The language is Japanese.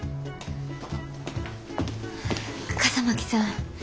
笠巻さん。